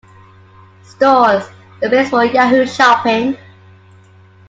Stores, the base for Yahoo Shopping.